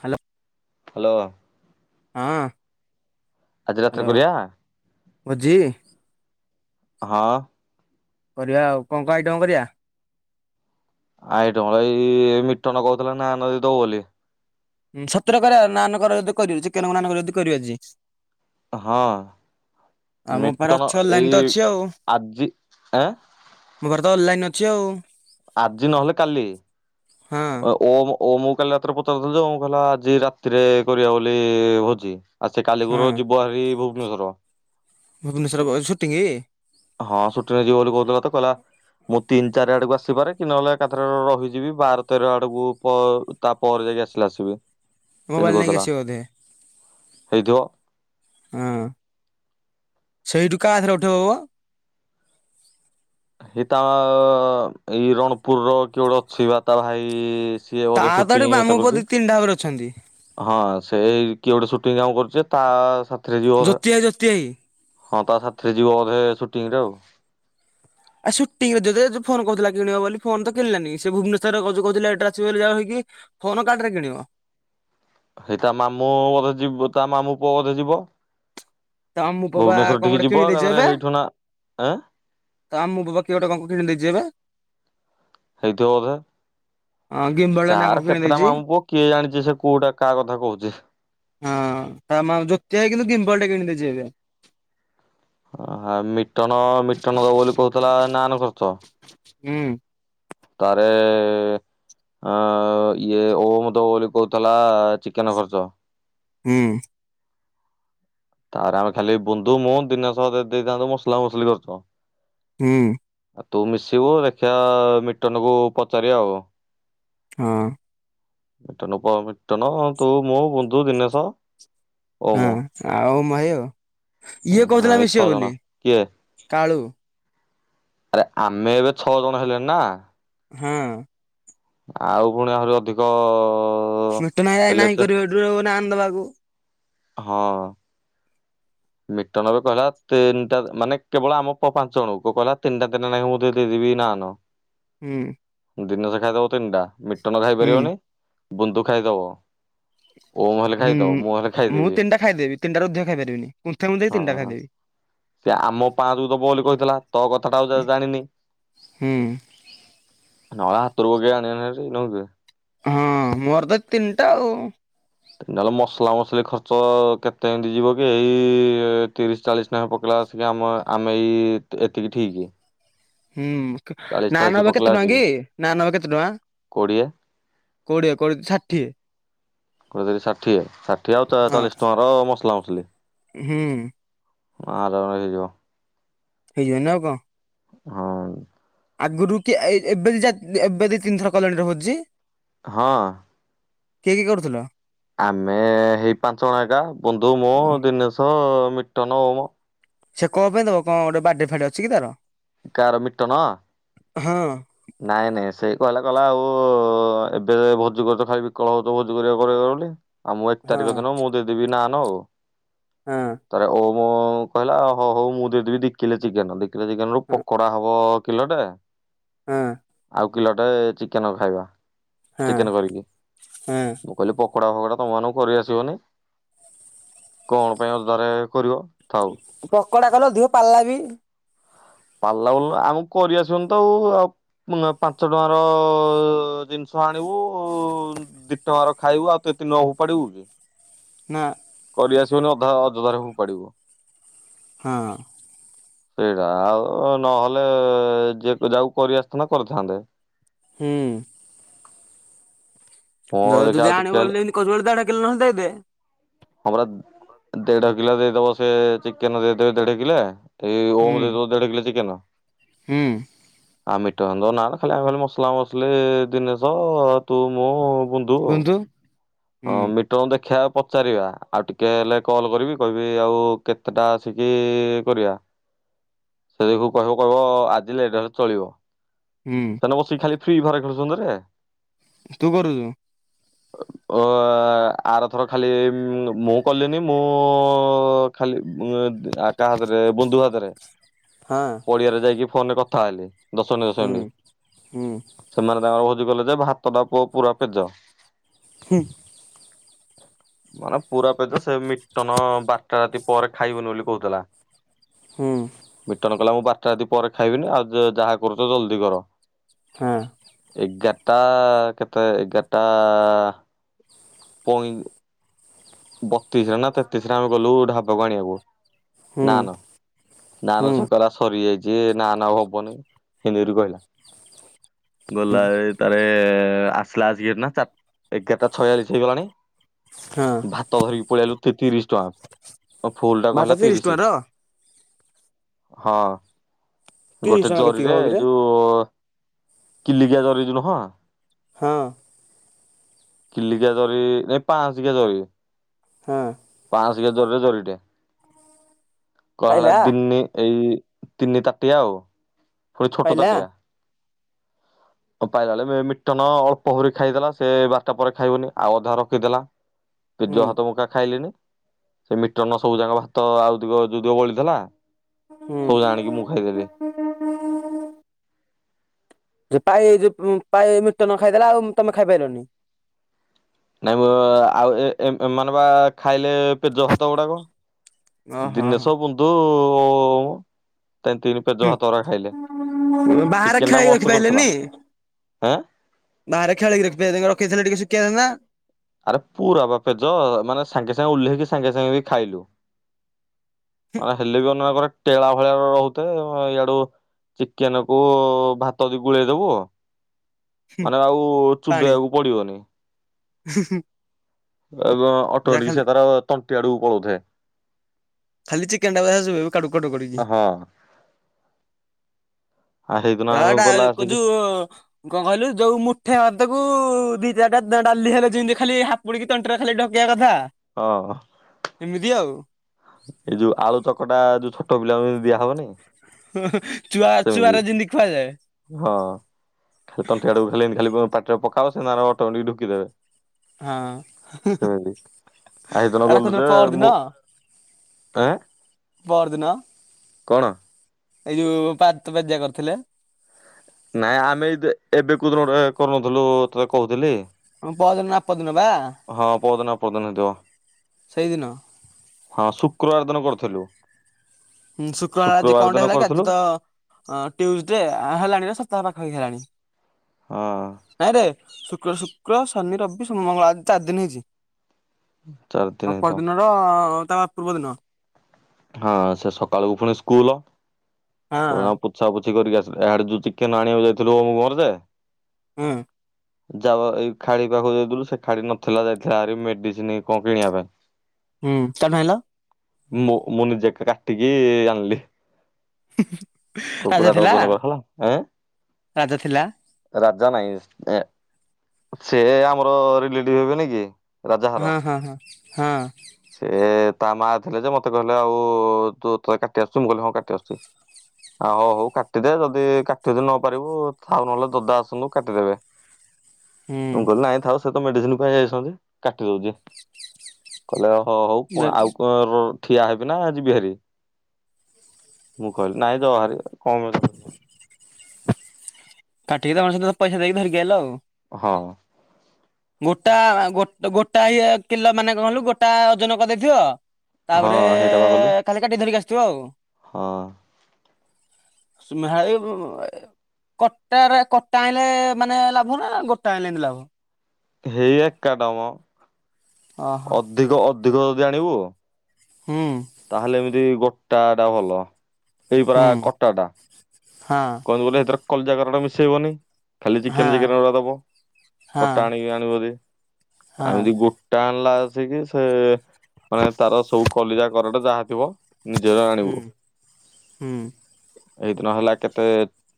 Hello. Hello. ହଁ ରାତିରେ hello କରିବା? ଭୋଜି? ହଁ। କରିବା ଆଉ କଣ କଣ ଆଇଟମ କଣ କରିବା? ଆଇଟମ୍ ଏଇ ମିଟନ କହୁଥିଲା ନାନ ଦବ ବୋଲି। ସତରେ କର ନାନ କର ଯଦି କରିବ ଚିକେନକୁ ନାନ କରିବ ଯଦି କରିବେ ଆଜି। ହଁ। ଆଉ ମୋଖ ପାରେ ମିଟନ ଅଛି ବୋଲି ଲାଇନି ଏଇ ତ ଅଛି ଆଉ ଆଜି ଏଁ ମୋ ପାଖ ରେ ତ ଅନଲାଇନ ଅ ଚି ଆଉ। ଆଜି ନହେଲେ କାଲି ହଁ ଓମ ଓମ୍ କୁ କାଲି ରାତିରେ ପଚାରୁଥିଲି ଯେ ଓମ୍ କହିଲା ଆଜି ରାତିରେ କରିବା ବୋଲି ଭୋଜି। ଆଉ ସେ କାଲି ଭୋରୁ ହଁ। ଯିବ ହାରି ଭୁବନେଶ୍ଵର। ଭୁବନେଶ୍ୱର ବ ସୁଟିଂ। ହଁ ସୁଟି ରେ ଯିବ ବୋଲି କହୁଥିଲା ତ କହିଲାଲ ମୁଁ ତିନି ଚାରି ଆଡକୁ ଆସିପାରେ କି ନହଲେ ଏକାଥରେ ରହିଯିବି ବାର ତେର ଆଡକୁ ପ ତାପ ଯା ଆସିଲା ଆସିବି। ସେମିତି ମୋବାଇଲ ନେଇକି କହୁଥିଲା ଆସିବ ବଧେ। ହେଇଥିବ। ହଁ ସେଇଠୁ କାଥରେ ଉଠେଇ ହବ? ହେଇତା ଏଇ ରଣପୁର ର କିଏ ଗୋଟେ ଅଛି ବା ତା ଭାଇ। ସିଏ ତା ବୋଧେ ତ ସୁଟିଂ ଏଠି ମାମୁଁ ଏତା ପୁଅ ଦି କରୁଛି ତିନିଟା ଭାବରେ ଅଛନ୍ତି ହଁ ସେଇ କିଉଟ ଟି କାମ କରୁଚି ତା ସାଥିରେ ଯିବ ବୋଧେ। ଜ୍ୟୋତିଆ ଜୋତି ଭାଇ। ହଁ ପା ସାଥିରେ ଯିବ ବୋଧେ ସୁଟିଂ ରେ ଆଉ। ଆଉ ସୁଟିଂ ରେ ଯଦି ଫୋନ କହୁଥିଲା କିଣିବ ବୋଲି ଫୋନ ତ କିଣିଲାନି ସେ ଭୁବନେଶ୍ୱରରେ କହୁଚୁ କହୁଥିଲା ଲେଟେରେ ଆସିବ ବୋଲି ଯାହାହେଇକି। ଫୋନ କାଠ ରେ କିଣିବ। ସେଇଟା ମାମୁଁ ବଧେ ଯିବ ତା ମାମୁଁ ପୁଅ ବଧେ ଯିବ। ତା ମାମୁଁ ପୁଅ ବା ଭୁବନେଶ୍ୱର କଣ ଠିକି ଗୋଟେ ଯିବ କିଣିଦେଇଛି ଏକାଥରେ ଏବେ। ହେଇଠୁ ନା ଏଁ ତା ମାମୁଁ ପୁଅ ବା କିଏ ଗୋଟେ ଙ୍କ ଙ୍କ କିଣି ଦେଇଛି ଏବେ। ହେଇଥିବ ବୋଧେ। ଗିମ୍ବଲ ଟା ନା କଣ ତାର କିଣି କେତେଟା ଦେଇଛି। ମାମୁଁ ପୁଅ କିଏ ଜାଣିଛି ସେ କୋଉଟା କାହା କଥା କହୁଛି। ହଁ ତା ମା ଜୋତିଆଇ କିନ୍ତୁ କିିମ୍ପଲ ଟେ କିଣିଦେଇଛି ଏବେ। ମିଟନ ମିଟନ ଦବ ବୋଲି କହୁଥିଲା ନାନ ଖର୍ଚ୍ଚ। ହୁଁ। ତାରେ ଆଁ ଇଏ ଓମ ଦବ ବୋଲି କହୁଥିଲା ଚିକେନ ଖର୍ଚ। ହୁଁ। ତାର ଆମେ ଖାଲି ବୁନ୍ଧୁ ମୁଁ ଦିନେଶ ଦେଇ ଦେଇଥାନ୍ତୁ ମସଲା ମସଲି ଖର୍ଚ୍ଚ। ହୁଁ। ଆଉ ତୁ ମିଶିବୁ ଦେଖିଆ ମିଟନକୁୁ ପଚାରିବା ଆଉ। ହଁ। ମିଟନ ପ ମିଟନ ତୁ ମୁଁ ବୁନ୍ଦୁ ଦିନେଷ। ହଁ ଆଉ ମାୟ ହୁଁ ଇଏ ଆମେ କଉଥୁଲା ଏଇ ଛଅ ମିଶିବ ଜଣ ବୋଲି କାଳୁ। ଏରା ଆରେ ଆମେ ଏବେ ଛଅ ଜଣ ହେଲେଣି ନା। ହଁ। ଆଉ ପୁଣି ଆହୁରି ଅଧିକ ମିଟନ ଭାଇ ହେଲେ ନାହିଁ ସେ କରିବେ ଯୋଉ ନାନ୍ ଦବାକୁ। ହଁ। ମିଟନ ଏବେ କହିଲା ତିନିଟା ମାନେ କେବଳ ଆମ ପ-ପାଞ୍ଚ ଜଣଙ୍କୁ କହିଲା ତିନିଟା ଦେନେ ଏଇନା କେ ମୁଁ ଦେଇଦେବି। ବି ନାନ। ହୁଁ। ଦିନରେ ଖାଇଦବ ତିନିଟା ମିଟନ ହୁଁ ଖାଇପାରିବନି ବୁନ୍ଦୁ ଖାଇଦବ। ଓମ ହେଲେ ହୁଁ ଖାଇଦବ ମୁଁ ହେଲେ ମୁଁ ଖାଇଦେବି। ତିନିଟା ଖାଇଦେବି ତିନିଟା ରୁ ଅଧିକା ଖାଇପାରିବିନି କୁନ୍ଥେଇ କୁନ୍ଥେଇ ହଁ ତିନଟା ଖାଇଦେବି। ସେ ଆମ ପାଞ୍ଚ ଙ୍କୁ ଦବ ବୋଲି କହିଥିଲା ତୋ କଥା ଟା ଆଉ ଜା-ଜାଣିନି। ହୁଁ। ନହେଳେ ହାତରୁ କିଏ ଆଣି [unintelligible] ନୁହୁଁକି। ହଁ ମୋର ତ ତିନିଟା ଆଉ। ନହେଲେ ମସଲା ମସିଲି ଖର୍ଚ୍ଚ କେତେ ଏମିତି ଯିବ କି ଏଇ ତିରିଶ ଚାଳିଶ ନାକେ ପକେଇଲା ସିଏ ଆମ ଆମେ ଏଇ ଏତିକି ଠିକି। ହୁଁ ନାନ ହବ କେତେ ଟଙ୍କା ଆସିକି କି ନାନ ହବ କେତେ ଟଙ୍କା? କୋଡ଼ିଏ କୋଡ଼ିଏ କୋଡ଼ିଏ ଷାଠିଏ। କୋଡିଏ ତିରି ଷାଠିଏ ଷାଠିଏ ଆଉ ତା ହଁ ଚାଳିଶ ଟଙ୍କାର ମସଲା ମସଲି। ହୁଁ। ଆରାମରେ ହେଇଯିବ। ହେଇଯିବନି ଆଉ କଣ। ହଁ। ଆଗୁରୁ କି ଏଇ ଏବେ ଯା ଏବେ ଦି ତିନିଥର କଲଣି ରେ ଭୋଜି। ହଁ। କିଏ କିଏ କରୁଥୁଲ? ଆମେ ହେଇ ପାଞ୍ଚ ଜଣ ଏକା ବନ୍ଧୁ ମୋ ଓ ଦିନେଶ, ମିଟନ, ଓମ। ସେ କଣ ପାଇଁ ଦବ କଣ ଗୋଟେ ବାଡେ ଫାଡେ ଅଛି କି ତାର? କାର ମିଟନ? ହଁ। ନାଇଁ ନାଇଁ ସେଇ କଇଲା କଇଲା ଆଉ ଏବେ ଭୋଜି କରୁଚ ଖାଇ ବିକଳ ହଉଚ ଭୋଜି କରିବା କରିବା ବୋଲି। ଆଉ ମୁଁ ଏକ ତାରିଖ ହଁ ଦିନ ମୁଁ ଦେଇଦେବି ନାନ ଆଉ ହଁ ତାର ଓ ମୁଁ କହିଲା ହଉ ହଉ ମୁଁ ଦେଇଦେବି ଦି କିଲେ ଚିକେନ ଦିକିଲେ ଚିକେନ ରୁ ହଁ ପକୋଡା ହବ କିଲଟେ ହଁ ଆଉ କିଲଟେ ଚିକେନ ଖାଇବା। ହଁ ଚିକେନ କରିକି ହଁ ମୁଁ କହିଲି ପ ପକଡା ଫକଡା ତମମାନଙ୍କୁ କରି ଆସିବନି କଣ ପାଇଁ ଅଧାରେ କରିବ। ଥାଉ ପକଡା କଲ ଅଧିକ ପାଲା ବି ପାଲା ବୋଲି ନା ଆମକୁ କରି ଆସିବନି ତ ଆଉ ଆଉ। ମୁଁ ନା ପାଞ୍ଚ ଟଙ୍କାର ଜିନିଷ ଆଣିବୁ ଦି ଟଙ୍କାର ଖାଇବୁ। ଆଉ କେତିନି ଓପାଡିବୁ କି? ନା। କରି ଆସିବନି ଅଧା ଅଯଥାରେ ଫୋପାଡିବୁ। ହଁ। ସେଇଟା ଆଉ ନହେଲେ ଯେକ୍ ଯାହାକୁ କରିଆସିଥାନ୍ତା କରିଥାନ୍ତେ। ହୁଁ। ହଁ ଜଦି ଦେଖିଆ ଆଉ ଯେ ଟିକେ ଆଣିବୁ ହେଲେ ବୋଲି ଏମିତି [unintelligible] ଦେଢ଼ କିଲୋ ନ ହେନେ ଦେଇ ଦେ। ଆମର ଦେଢ କିଲ ଦେଇଦବ ସେ ଚିକେନ ଦେଇଦେବେ ଦେଢ କିଲେ। ଏଇ ହୁଁ ଓମ ଦେଇଦଉ ଦେଢ କିିଲେ ଚିକେନ। ହୁଁ। ଆଉ ମିଟ ନା ଖାଲି ଆମେ ଖାଲି ମସଲା ମସଲି ଦିନେଶ ତୁ ମୁଁ ବୁନ୍ଦୁ। ହଁ ମିଟନ ଦେ ଦେଖିବା ପଚାରିବା ଆଉ ଟିକେ ହେଲେ କଲ୍ କରିବି କହିବି ଆଉ କେତେଟା ଆସିକି କରିବା। ସେ ଦେଖିବୁ କହିବ କହିବ ଆଜିି ଲେଟ୍ ହେଲେ ଚଳିବ। ହୁଁ ସେମାନ ବସିକି ଖାଲି ଫ୍ରି ଘରେ ଖେଳୁଛନ୍ତିରେ ତୁ କରୁଛୁ? ହଉ। ଅ ଆରଥର ଖାଲି ମୁଁ କଲିନି ମୁଁ ଖାଲି ଉ ଆକା ହାତରେ ବନ୍ଧୁ ହାତରେ ହଁ ପଡିଆରେ ଯାଇକି ଫୋନରେ କଥା ହେଲି ଦଶଣ୍ଡି ହୁଁ ଦଶଣ୍ଡି ହୁଁ ସେମାନେ ତାଙ୍କର କହୁଚ ବ ଗଲେ ଯେ ଭାତଟା ପୁଅ ପୁରା ପେଜ ହୁଁ। ମାନେ ପୁରା ପେଜ ସେ ମିଟନ ବାରଟା ରାତି ପରେ ଖାଇବନି ବୋଲି କହୁଥିଲା ହୁଁ। କହିଲା ମୁଁ ବାରଟା ଯଦି ପରେ ଖାଇବିନି ଆଉ ଯାହା କରୁଛ ଜଲଦି କର ହଁ ଏଗାରଟା ଟା କେତେ ଏଗାରଟାଆ ପଇ ବତିଶ ରେ ନା ତେତିଶରେ ଆମେ ଗଲୁ ଢାବାକୁ ଆଣିବାକୁ ହୁଁ ନାନ ନାନ ହୁଁ ସେ କହିଲା ସରିଯାଇଛି ଯିଏ ନାନ ଆଉ ହବନି ହିନ୍ଦୀରୁ କହିଲା ହୁଁ ଗଲାବେଳେ ତାରେ ଆସିଲା ଆସିକିନା ଚାର ଏଗାରଟା ଛୟାଳିଶ ହେଇଗଲାଣି ହଁ ଭାତ ଧରିକି ପଳେଇଆଇଲା ଏତେ ତିରିଶ ଟଙ୍କା ଆ ଫୁଲ୍ ଟା ଭାତ କହିଲା ତିରିଶ। ଟଙ୍କାର ହଁ ଗୋଟେ ତିରିଶ ଟଙ୍କା କେତିକି ଜରିରେ ହବ ଏଇ କିରେ? ଯୋଉ କିଲିକିଆ ଜରି ଯୋଉ ନୁହଁ ହଁ। କିଲିକିଆ ଜରି ନାଇଁ ପାଆସକିଆ ଜରି ହଁ। ପାଆସକିଆ ଜରିରେ ଜରିଟେ କଣ ହେଲା ପାଇଲା ଦିନି ଏଇ ତିନିଟା ପା ଟିଆ ଆଉ ମୋ ଛୋଟ ପାଇଲା ତାଟିଆ ପାଇଲାବେଳେ ମିଟନ ଅଳ୍ପ ହୁରି ଖାଇଦେଲା ସେ ବାରଟା ପରେ ଖାଇବୁନି ଆଉ ଅଧା ରଖିଦେଲା ହୁଁ ପେଜ ହାତ ମୁକା ଖାଇଲିଣି ସେ ମିଟନ ସବୁଯାକ ଭାତ ଆଉ ଯେତିକ ଯଉ ଦିକ ବଳିଥିଲା ହୁଁ। ସବୁଯାକ ଆଣିକି ମୁଁ ଖାଇଦେଲି ପାଇ ଯୋଉ ପାଏ ମିଟନ ଖାଇଦେଲା ଆଉ ତମେ ଖାଇପାରଲନି? ନାଇଁ ମୁଁ ଆଉ ଏମାନେ ବା ଖାଇଲେ ପେଜ ଭାତ ଗୁଡାକ ଓହୋ ଦିନେଶ ବୁନ୍ଦୁ ତିନି ତିନି ପେଜ ଭାତ ଗୁରା ଖାଇଲେ। ହୁଁ ବାହାରେ ଚିକେନ ଟା ଖେଳେଇକି ମସ୍ତ କରିଥିଲା। ରଖିପାଇଲେନି। ହେଁ ବାହାରେ ଖେଳେଇକି ରଖିପାଇଲେନି ରଖିଦେଇଥିଲେ ଟିକେ ଶୁଖିଯାଇଥାଆନ୍ତା। ଆରେ ପୁରା ବା ପେଜ ମାନେ ସାଙ୍ଗେସାଙ୍ଗେ ଓହ୍ଲେଇକି ସାଙ୍ଗେସାଙ୍ଗେ ବି ଖାଇଲୁ। ମାନେ ହେଲେ ବି ଅନା ଟେଳା ଭଳିଆ ରହୁଥେ ଇଆଡ ଚିକେନ କୁ ଭାତ କି ଗୁଳେଇ ଦବୁ ହୁଁ ମାନେ ଆଉ ଚୁବେଇବାକୁ ପଡିବନେଇ। ହ ହ। ଅଟମେଟିକି ସେ ତାର ତଣ୍ଟି ଆଡ଼କୁ ପଳଉଥାଏ। ଖାଲି ଚିକେନ ଟାକୁ ଆସ କରିବୁ କାଡୁ କାଡୁ କଡିକି। ହଁ। ଆ ସେଇଦିନ ଆମେ ହଟା ଗଲା ଆସିକି ଯୋଉ କଣ କହିଲୁ ଯୋଉ ମୁଠେ ଅଦକୁ କୁ ଦି ଚାରିଟା ଡାଲି ହେଲେ ଯେମିତି ଖାଲି ହାପୁଡିକି ତଣ୍ଟିରେ ଖାଲି ଢକିବା କଥା ହଁ ଏମିତି ଆଉ। ଏଇ ଯୋଉ ଆଳୁ ଚକଟା ଯୋଉ ଛୋଟ ପିଲାଙ୍କୁ ଦିଆହବନି ହୁଁ ହୁଁ ହିଁ। ସେମିତି ହଁ ଖାଲି ତଣ୍ଟି ଆଡକୁ ଖାଲି ଏମିତି ଖାଲି ପ ପାଟିରେ ପକ ଥାଉ ସେ ନା ଅଟୋମେଟିକ ଢୁକି ଦେବେ। ହଁ। ସେମିତି ଆଇଦିନ ଏଟା ଗଲୁ କୋଉଦିନ ଯେ ପରଦିନ ମୁଁ ଆଁ ପରଦିନ କଣ? ଏଇ ଯୋଉ ପାତପାଜିଆ କରିଥିଲେ। ନାଇଁ ଆମେ ଏଇଦେ ଏବେ କୋଉଦିନ ଗୋଟେ କରୁନଥିଲୁ ତତେ କହୁଥିଲି। ପରଦିନ ନା ଆପରଦିନ ବା ହଁ ପଦିନ ପଦିନ ହେଇଥିବ। ସେଇଦିନ ହଁ ଶୁକ୍ରବାର ଦିନ କରୁଥିଲୁ। ହୁଁ ଶୁକ୍ରବାର ଆଜି କଣଟେ ହେଲା କି ଆଜି ତ ଅଁ ଟ୍ୟୁଜଡେ ଆ ହେଲାଣି ନା ସ ତା ପାଖ ହେଇଗଲାଣି। ହଁ। ଶୁକ୍ର ଶୁକ୍ର ଶନି ରବି ସୋମ ମଙ୍ଗଳ ଆଜି ଚାରି ଦିନ ହେଇଛି। ଚାରି ଦିନ ଅ ହେଇଥିବ ପରଦିନର ତା ପୂର୍ବ ଦିନ। ହଁ ସେ ସକାଳକୁ ପୁଣି ସ୍କୁଲ ହଁ ସବୁ ଯାକ ପୋଛାପୋ କିଛି କରିକି ଆସିଲୁ ଏହାଡେ ଯୋଉ ଚିକେନ୍ ଆଣିବାକୁ ଯାଇଥିଲୁ ମୋର ଯେ ହୁଁ। ଯାଅ ଏଇ ଖାଡି ପାଖକୁ ଯାଇଥିଲୁ ସେ ଖାଡି ନଥିଲା ଯାଇଥିଲା ଆ ମେଡିସିନ କଣ କିଣିବା ପାଇଁ ହୁଁ ତାଠୁ ଆଇଁଲ ମୁ ମୁ ନିଜେ କାଟିକି ଆଣିଲି। ରାଜା କୁକୁଡ଼ା ଟା ଥିଲା ଓଜନ କରାହେଲା ଏଁ? ରାଜା ଥିଲା ରାଜା ନାଇଁ ଏ ସେ ଆମର ରିଲେଟିଭ ହେବେନି କି। ରାଜା ହର ହଁ ହଁ ହଁ ହଁ ସେ ତା ମା ଥିଲେ ଯେ ମତେ ମତେ କହିଲେ ଆଉ ତୁ ତତେ କାଟି ଆସୁଚି? ମୁଁ କହିଲି ହଁ କାଟି ଆସୁଛି। ଆ ହଉ ହଉ କାଟିଦେ ଯଦି କାଟି ଯଦି ନ ପାରିବୁ ଆଉ ନହେଲେ ଦଦା ଆସନ୍ତୁ କାଟିଦେବେ। ମୁଁ କହିଁଲି ନଇଥାଉ ସ ମେଡିସିନ ପାଇଁ ଯାଇଛନ୍ତି କାଟି ଦଉଛି କହିଲେ ହ ହଉ ହୁଁ ଆଉ କଣ ଠିଆ ହେବି ନା ଜିବିହାରି? ମୁ କହିଁଲି ନାଇଁ ଯହାରି କମ୍ ଅଛି। କାଟିକି ତା ସହିତ ପଇସା ଦେଇକି ଧରିକି ଆଇଲ ଆଉ। ହଁ। ଗୋଟା ଗୋଟା ଇଏ କିଲୋ ମାନେ କଣ ହେଲୁ ଗୋଟା ଓଜନ କରିଦେଇଥିବ ହଁ ତାପରେ ହେଇଟା ବା କଲୁ ଖାଲି କାଟିିକ ଧରିକି ଆସିଥିବ ଆଉ ହଁ। ସୁମେହାଇ ଉ ଉ ଆ କଟାରେ କଟା ଆଣିଲେ ମାନେ ଲାଭ ନା ଗୋଟା ଆଣିଲ ଏମତି ଲାଭ? ହେଇ ଏକାଟା ମ ଓହୋ ଅଧିକ ଅଧିକ ଯଦି ଆଣିବୁ ହୁଁ ତାହେଲେ ଏମିତି ଗୋଟା ଟା ଭଲ ଏଇ ପରା ହୁଁ କଟା ଟା। ହଁ କହବୁ ବଲେ ଏଥର କଲିଜା କରାଟ ମିଶେଇବନି। ଖାଲି ହଁ ଚିକେନ ଚିକେନ ଗୁଡ଼ା ଦବ ହଁ କଟା ଆଣିକି ଆଣିବ ଜଦି ହଁ ଆମିତି ଗୋଟା ଆଣିଲା ଆସିକି ସେ ମାନେ ତାର ସବୁ କଲିଜା କରାଟ ଯାହା ଥିବ ନିଜର ଆଣିବୁ ହୁଁ ହୁଁ। ଏଇ ଦିନ ହେଲା କେତେ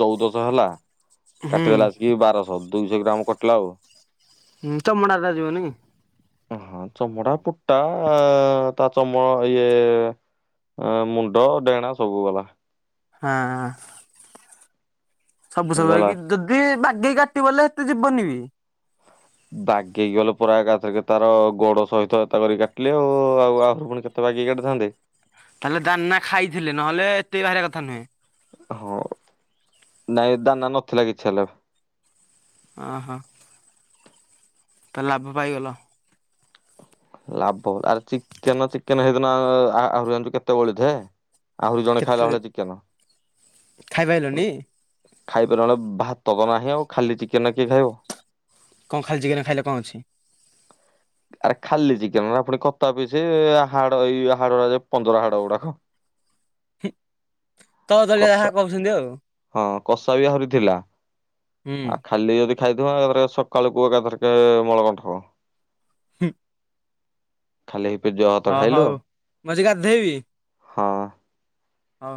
ଚଉଦଶହ ହେଲା ହୁଁ କାଟିଦେଲା ଆସିକି ବାରଶହ ଦୁଇଶ ଗ୍ରାମ କଟଲା ଆଉ। ହୁଁ ଚମଡ଼ା ଟା ଯିବନି କି? ହ ଚମଡ଼ା ପୁଟା ଆ ତା ଚମ ଇଏ ମୁଣ୍ଡ ଡେଣା ସବୁ ଗଲା। ହଁ। ସବୁ ଏମିତି ସବୁ ହେଲା ହେଇକି ଯଦି ବାଗେଇ କାଟିବ ହେଲେ ଏତେ ଯିବନି ବି। ବାଗେଇକି ଗଲେ ପୁରା ଏକାଥରକେ ତାର ଗୋଡ ସହିତ ଏଟା ଧରିକି କାଟିଲେ ଆଉ ଆଉ ଆହୁରି ପୁଣି କେତେ ବାଗେଇକି କଟିଥାନ୍ତେ? ତାହେଲେ ଦାନା ଖାଇଥିଲେ ନହେଲେ ଏତେ ବାହାରିଆ କଥା ନୁହେଁ। ହଁ, ନାଇଁ ଦାନା ନଥିଲା କିଛି ହେଲେ ଓ ହୋ। ତ ଲାଭ ପାଇଗଲ? ଲାଭ ଆରେ ଚିକେନ ଚିକେନ ସେଇଦିନ ଆହୁରି ଆଣିଚୁ କେତେ ବଳି ଥାଏ? ଆହୁରି ଜଣେ ଖାଇଲା କେତେ ଭଳିଆ ଚିକେନ। ଖାଇପାରିଲନି ଖାଇ ଭାତ ତ ନାହିଁ ଆଉ ଖାଲି ଚିକେନରା କିଏ ଖାଇବ? କଣ ଖାଲି ଚିକେନ ଖାଇଲେ କଣ ଅଛି? ଆରେ ଖାଲି ଚିକେନଅରା ପୁଣି କତା ପିସ୍ ହାଡ଼ ଏଇ ହାଡ ପଞ୍ଜରା ହାଡ଼ ଗୁଡାକ ତଳ ତଳିଆ ଯାହା କଷା କହୁଛନ୍ତି ଆଉ। ହଁ। କଷା ବି ଆହୁରି ଥିଲା ହୁଁ ଆ ଖାଲି ଯଦି ଖାଇଦବା ସକାଳୁ ପୁଅ ଏକାଥରେ ମଳକଣ୍ଠ ହୁଁ। ଖାଲି ପେଜୁଆ ଭାତ ଖାଇଲୁ। ହଉ ମୁଁ ଯାଉଚି ହଁ। ହଁ।